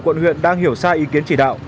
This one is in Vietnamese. quận huyện đang hiểu sai ý kiến chỉ đạo